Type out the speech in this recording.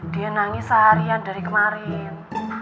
dia nangis seharian dari kemarin